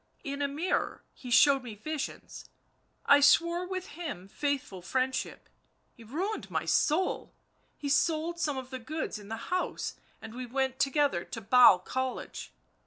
in a mirror he showed me visions, I swore with him faithful friend ship .. .he ruined my soul — he sold some of the goods in the house, and we went together to Basle College.